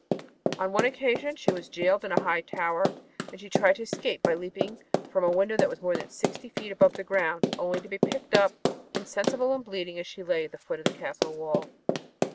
On one occasion she was jailed in a high tower and she tried to escape by leaping from a window more than sixty feet above the ground, only to be picked up insensible and bleeding as she lay at the foot of the castle wall.